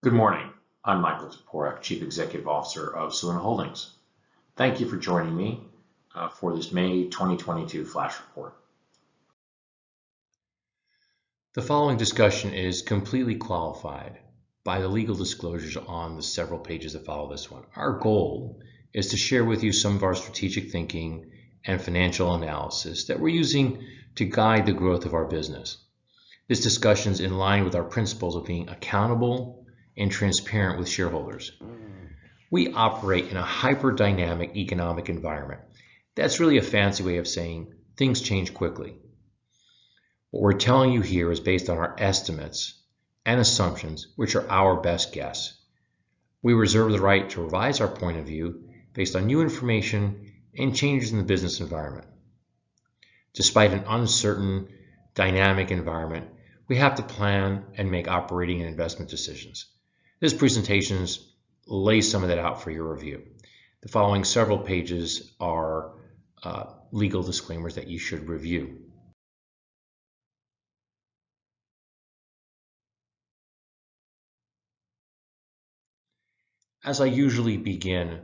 Good morning. I'm Michael Toporek, Chief Executive Officer of Soluna Holdings. Thank you for joining me for this May 2022 flash report. The following discussion is completely qualified by the legal disclosures on the several pages that follow this one. Our goal is to share with you some of our strategic thinking and financial analysis that we're using to guide the growth of our business. This discussion's in line with our principles of being accountable and transparent with shareholders. We operate in a hyper-dynamic economic environment. That's really a fancy way of saying things change quickly. What we're telling you here is based on our estimates and assumptions, which are our best guess. We reserve the right to revise our point of view based on new information and changes in the business environment. Despite an uncertain dynamic environment, we have to plan and make operating and investment decisions. This presentation lays some of that out for your review. The following several pages are legal disclaimers that you should review. As I usually begin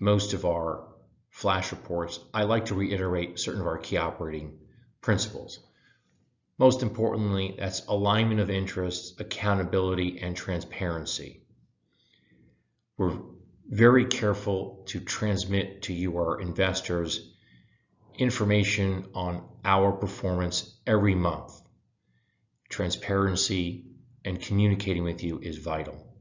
most of our flash reports, I like to reiterate certain of our key operating principles. Most importantly, that's alignment of interests, accountability, and transparency. We're very careful to transmit to you, our investors, information on our performance every month. Transparency and communicating with you is vital.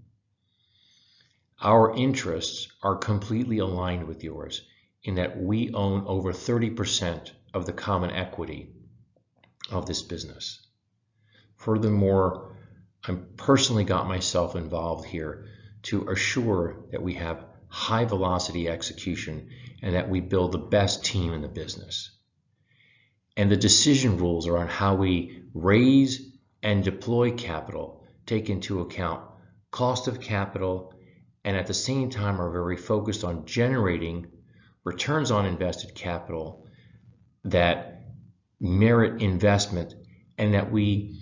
Our interests are completely aligned with yours in that we own over 30% of the common equity of this business. Furthermore, I personally got myself involved here to assure that we have high velocity execution and that we build the best team in the business. The decision rules around how we raise and deploy capital take into account cost of capital and at the same time are very focused on generating returns on invested capital that merit investment and that we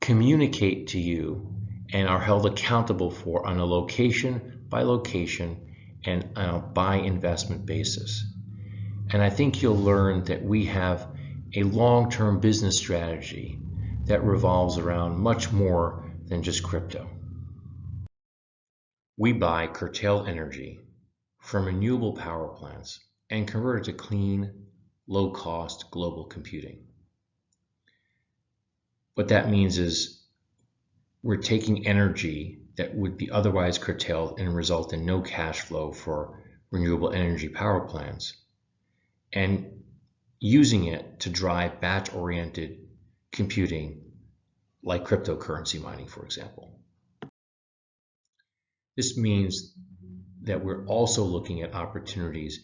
communicate to you and are held accountable for on a location-by-location and on a by-investment basis. I think you'll learn that we have a long-term business strategy that revolves around much more than just crypto. We buy curtailed energy from renewable power plants and convert it to clean, low-cost global computing. What that means is we're taking energy that would be otherwise curtailed and result in no cash flow for renewable energy power plants and using it to drive batch-oriented computing like cryptocurrency mining, for example. This means that we're also looking at opportunities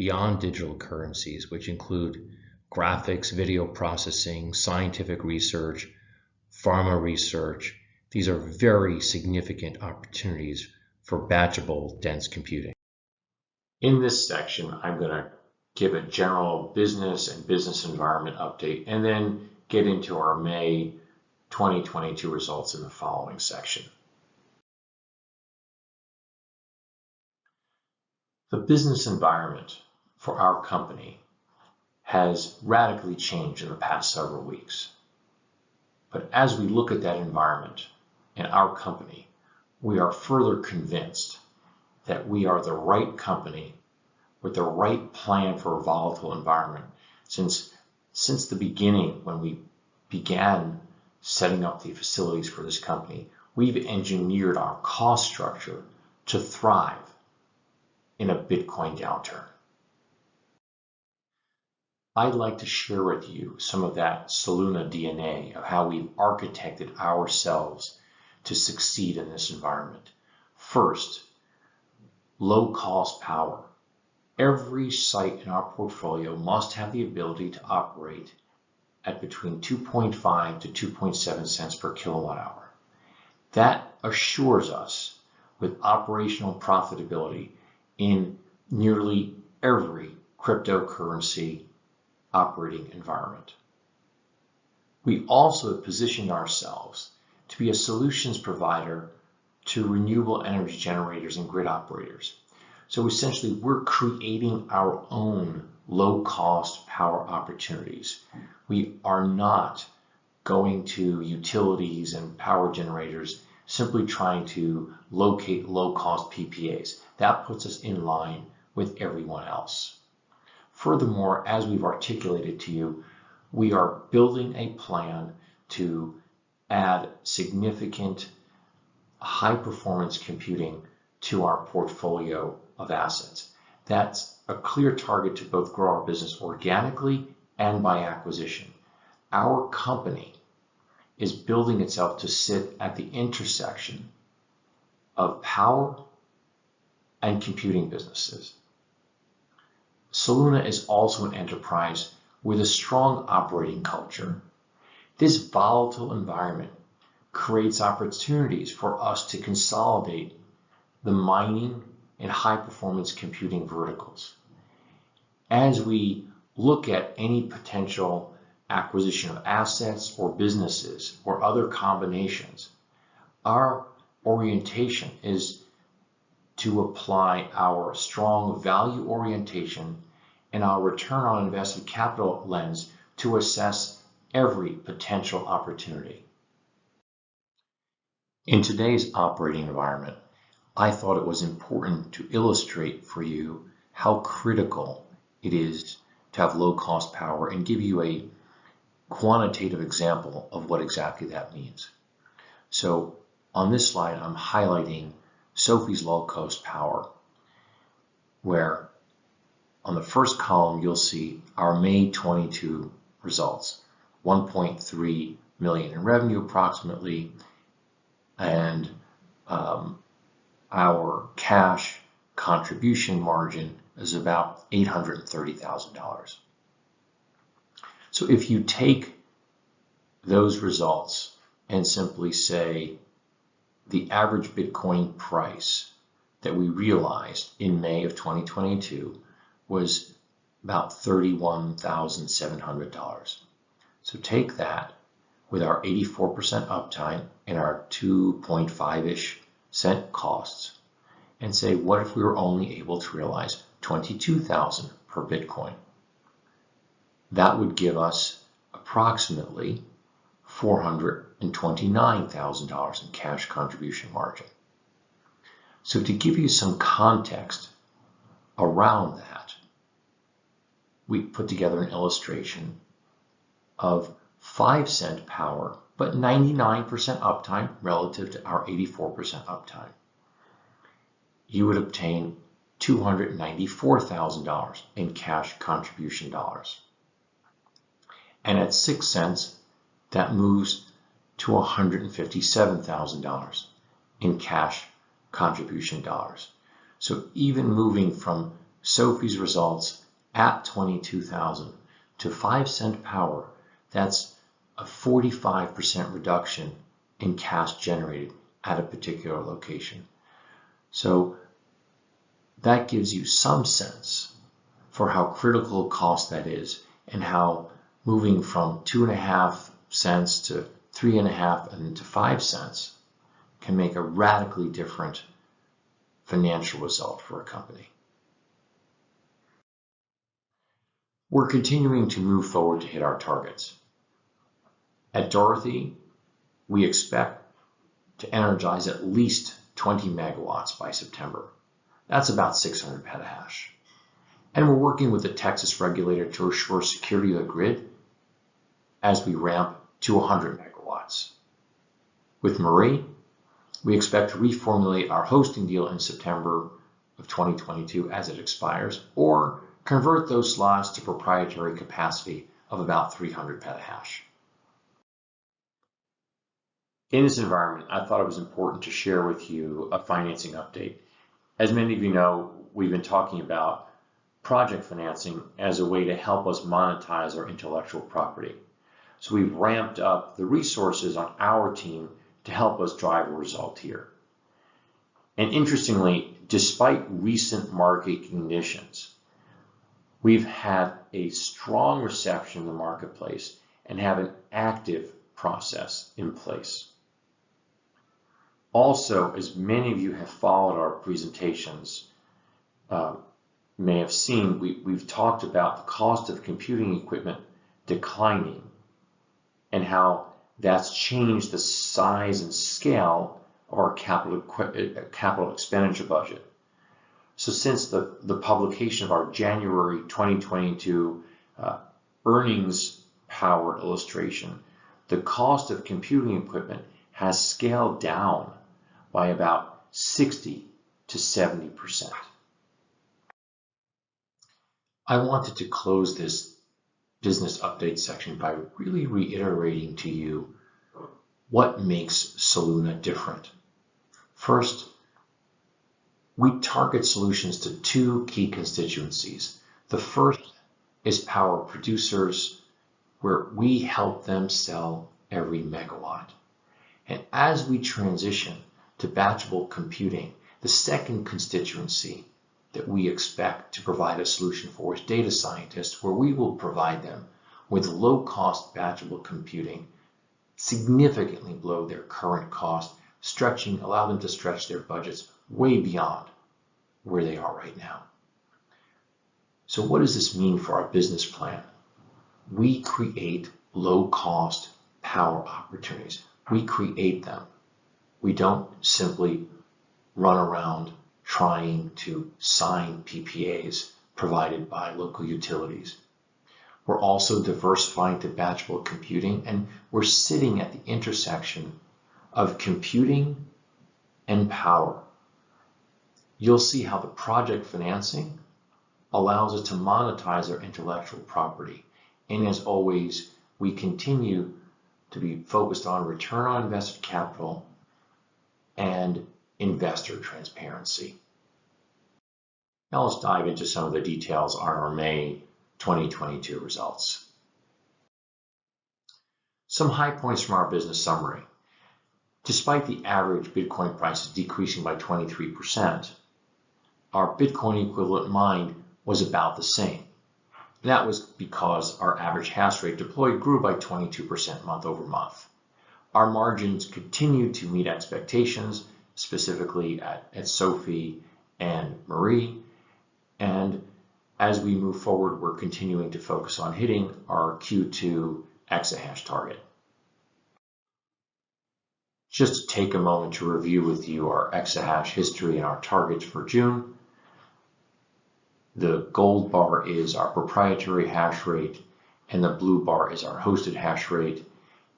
beyond digital currencies, which include graphics, video processing, scientific research, pharma research. These are very significant opportunities for batchable dense computing. In this section, I'm gonna give a general business and business environment update and then get into our May 2022 results in the following section. The business environment for our company has radically changed in the past several weeks. As we look at that environment and our company, we are further convinced that we are the right company with the right plan for a volatile environment. Since the beginning when we began setting up the facilities for this company, we've engineered our cost structure to thrive in a Bitcoin downturn. I'd like to share with you some of that Soluna DNA of how we've architected ourselves to succeed in this environment. First, low cost power. Every site in our portfolio must have the ability to operate at between $0.025-$0.027 per kWh. That assures us with operational profitability in nearly every cryptocurrency operating environment. We also have positioned ourselves to be a solutions provider to renewable energy generators and grid operators. Essentially, we're creating our own low cost power opportunities. We are not going to utilities and power generators simply trying to locate low cost PPAs. That puts us in line with everyone else. Furthermore, as we've articulated to you, we are building a plan to add significant high-performance computing to our portfolio of assets. That's a clear target to both grow our business organically and by acquisition. Our company is building itself to sit at the intersection of power and computing businesses. Soluna is also an enterprise with a strong operating culture. This volatile environment creates opportunities for us to consolidate the mining and high-performance computing verticals. As we look at any potential acquisition of assets or businesses or other combinations, our orientation is to apply our strong value orientation and our return on invested capital lens to assess every potential opportunity. In today's operating environment, I thought it was important to illustrate for you how critical it is to have low-cost power and give you a quantitative example of what exactly that means. On this slide, I'm highlighting Project Sophie's low-cost power, where on the first column you'll see our May 2022 results, approximately $1.3 million in revenue, and our cash contribution margin is about $830 thousand. If you take those results and simply say the average Bitcoin price that we realized in May of 2022 was about $31,700. Take that with our 84% uptime and our 2.5-ish cent costs and say, "What if we were only able to realize $22,000 per Bitcoin?" That would give us approximately $429,000 in cash contribution margin. To give you some context around that, we put together an illustration of 5-cent power, but 99% uptime relative to our 84% uptime. You would obtain $294,000 in cash contribution dollars. At six cents, that moves to $157,000 in cash contribution dollars. Even moving from Sophie's results at $0.022-$0.05 power, that's a 45% reduction in cash generated at a particular location. That gives you some sense for how critical cost that is and how moving from $0.025 to $0.035 and then to $0.05 can make a radically different financial result for a company. We're continuing to move forward to hit our targets. At Dorothy, we expect to energize at least 20 MW by September. That's about 600 petahash. We're working with the Texas regulator to assure security of the grid as we ramp to 100 MW. With Marie, we expect to reformulate our hosting deal in September of 2022 as it expires, or convert those slots to proprietary capacity of about 300 petahash. In this environment, I thought it was important to share with you a financing update. As many of you know, we've been talking about project financing as a way to help us monetize our intellectual property. We've ramped up the resources on our team to help us drive a result here. Interestingly, despite recent market conditions, we've had a strong reception in the marketplace and have an active process in place. As many of you have followed our presentations, may have seen, we've talked about the cost of computing equipment declining and how that's changed the size and scale of our capital expenditure budget. Since the publication of our January 2022 earnings power illustration, the cost of computing equipment has scaled down by about 60%-70%. I wanted to close this business update section by really reiterating to you what makes Soluna different. First, we target solutions to two key constituencies. The first is power producers, where we help them sell every megawatt. As we transition to batchable computing, the second constituency that we expect to provide a solution for is data scientists, where we will provide them with low-cost batchable computing significantly below their current cost, allowing them to stretch their budgets way beyond where they are right now. What does this mean for our business plan? We create low cost power opportunities. We create them. We don't simply run around trying to sign PPAs provided by local utilities. We're also diversifying to batchable computing, and we're sitting at the intersection of computing and power. You'll see how the project financing allows us to monetize our intellectual property. As always, we continue to be focused on return on invested capital and investor transparency. Now let's dive into some of the details on our May 2022 results. Some high points from our business summary. Despite the average Bitcoin prices decreasing by 23%, our Bitcoin equivalent mined was about the same. That was because our average hash rate deployed grew by 22% month-over-month. Our margins continued to meet expectations, specifically at Sophie and Marie. As we move forward, we're continuing to focus on hitting our Q2 exahash target. Just to take a moment to review with you our exahash history and our targets for June. The gold bar is our proprietary hash rate, and the blue bar is our hosted hash rate.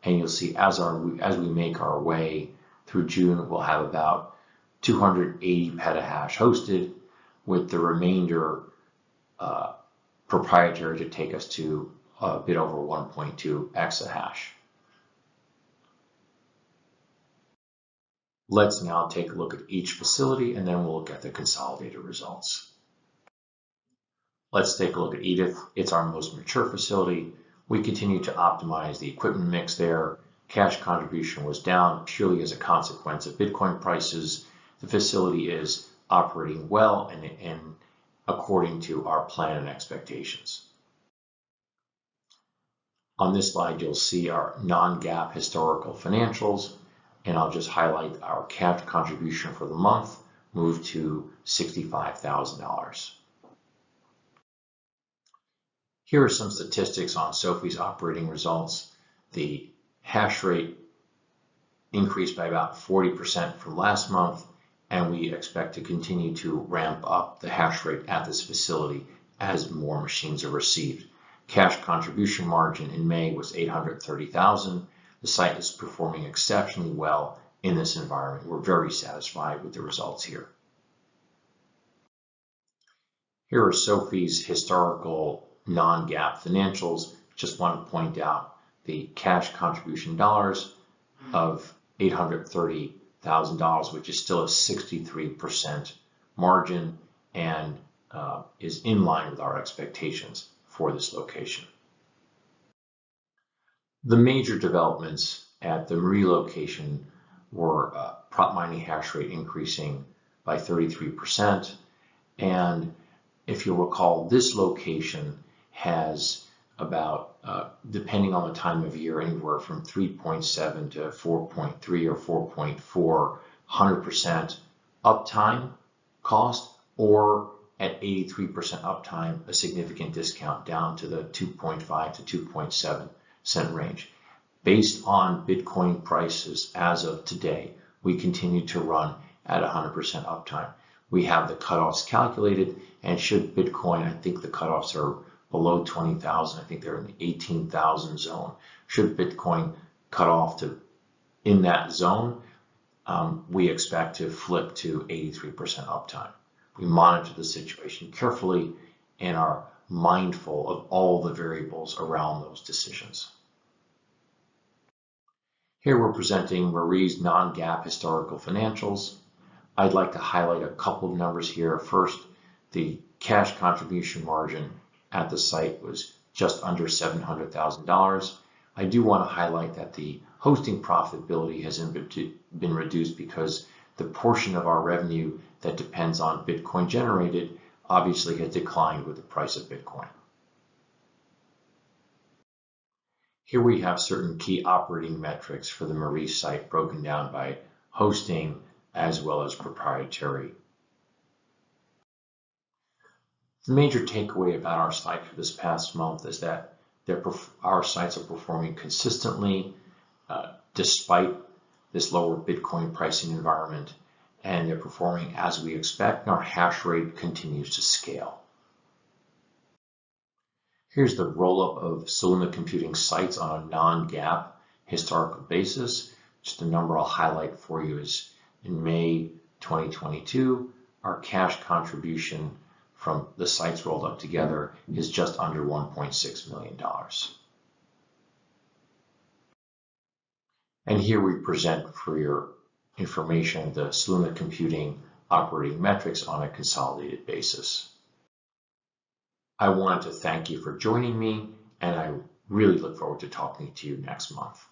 You'll see as we make our way through June, we'll have about 280 petahash hosted with the remainder, proprietary to take us to a bit over 1.2 exahash. Let's now take a look at each facility, and then we'll look at the consolidated results. Let's take a look at Edith. It's our most mature facility. We continue to optimize the equipment mix there. Cash contribution was down purely as a consequence of Bitcoin prices. The facility is operating well and according to our plan and expectations. On this slide, you'll see our non-GAAP historical financials, and I'll just highlight our cash contribution for the month moved to $65,000. Here are some statistics on Sophie's operating results. The hash rate increased by about 40% from last month, and we expect to continue to ramp up the hash rate at this facility as more machines are received. Cash contribution margin in May was $830,000. The site is performing exceptionally well in this environment. We're very satisfied with the results here. Here are Sophie's historical non-GAAP financials. Just want to point out the cash contribution dollars of $830,000, which is still a 63% margin and is in line with our expectations for this location. The major developments at the Marie location were our mining hash rate increasing by 33%. If you'll recall, this location has about, depending on the time of year, anywhere from 3.7-4.3 or 4.4 cents at 100% uptime cost or at 83% uptime, a significant discount down to the $0.025-$0.027 range. Based on Bitcoin prices as of today, we continue to run at 100% uptime. We have the cutoffs calculated and should Bitcoin, I think the cutoffs are below $20,000. I think they're in the $18,000 zone. Should Bitcoin cut off to in that zone, we expect to flip to 83% uptime. We monitor the situation carefully and are mindful of all the variables around those decisions. Here we're presenting Marie's non-GAAP historical financials. I'd like to highlight a couple of numbers here. First, the cash contribution margin at the site was just under $700,000. I do wanna highlight that the hosting profitability has been reduced because the portion of our revenue that depends on Bitcoin generated obviously had declined with the price of Bitcoin. Here we have certain key operating metrics for the Marie site broken down by hosting as well as proprietary. The major takeaway about our site for this past month is that our sites are performing consistently, despite this lower Bitcoin pricing environment, and they're performing as we expect, and our hash rate continues to scale. Here's the roll-up of Soluna Computing sites on a non-GAAP historical basis. Just the number I'll highlight for you is in May 2022, our cash contribution from the sites rolled up together is just under $1.6 million. Here we present for your information the Soluna Computing operating metrics on a consolidated basis. I want to thank you for joining me, and I really look forward to talking to you next month.